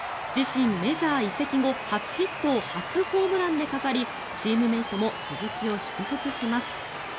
自身メジャー移籍後初ヒットを初ホームランで飾りチームメートも鈴木を祝福します。